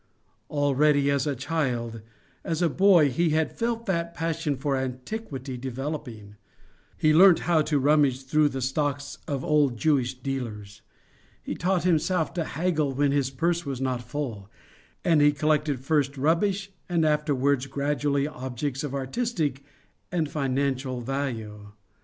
Already as a child, as a boy, he had felt that passion for antiquity developing; he learnt how to rummage through the stocks of old Jewish dealers; he taught himself to haggle when his purse was not full; and he collected first rubbish and afterwards, gradually, objects of artistic and financial value.